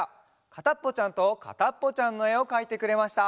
「かたっぽちゃんとかたっぽちゃん」のえをかいてくれました。